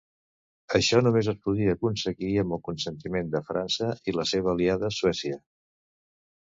Això només es podia aconseguir amb el consentiment de França i la seva aliada Suècia.